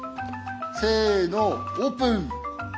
せのオープン！